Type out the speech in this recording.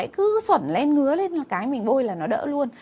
cứ sẩn lên ngứa lên cái mình bôi là nó đỡ luôn